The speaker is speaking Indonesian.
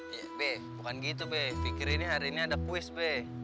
iya be bukan gitu be fikri ini hari ini ada puis be